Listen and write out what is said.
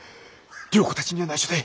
良子たちにはないしょで。